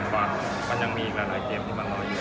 เพราะมันยังมีอีกหลายเกมที่มันรออยู่